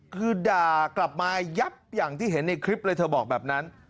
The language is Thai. คือด่ากลับมายับอย่างที่เห็นในคลิปเลยเธอบอกแบบนั้น